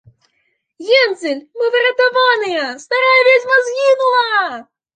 - Гензель, мы выратаваныя: старая ведзьма згінула!